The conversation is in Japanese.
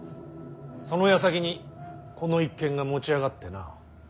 そのやさきにこの一件が持ち上がってな。